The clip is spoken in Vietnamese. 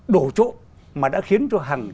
đổ chỗ mà đã khiến cho hàng